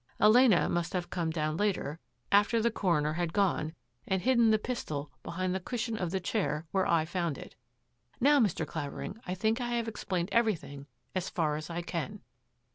Elena must have come down later, after the coroner had gone, and hidden the pistol behind the cushion of the chair where I found it. Now, Mr. Clavering, I think I have explained everything as far as I can."